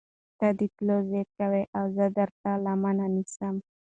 تۀ د تلو ضد کوې اؤ زۀ درته لمنه نيسم